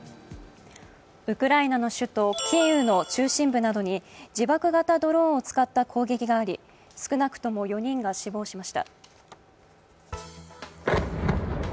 ウクライナの首都キーウの中心部などに自爆型ドローンを使った攻撃があり、少なくとも４人が死亡しました。